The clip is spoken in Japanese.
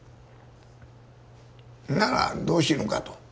ならどう死ぬかと。